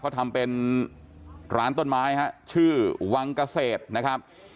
เขาทำเป็นร้านต้นไม้ฮะชื่อวังเกษตรนะครับ